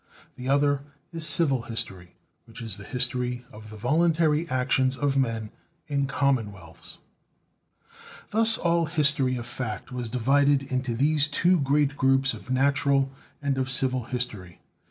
The other is civil history; which is the history of the voluntary actions of men in commonwealths/ " Thus all history of fact was divided into these two great groups of natural and of civil history.